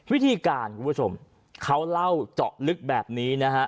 คุณผู้ชมเขาเล่าเจาะลึกแบบนี้นะฮะ